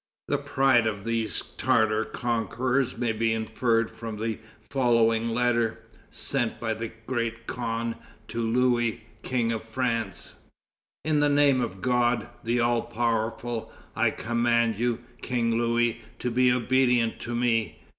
The pride of these Tartar conquerors may be inferred from the following letter, sent by the great khan to Louis, King of France: "In the name of God, the all powerful, I command you, King Louis, to be obedient to me.